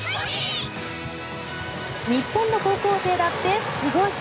日本の高校生だってすごい。